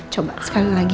coba sekali lagi